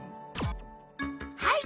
はい！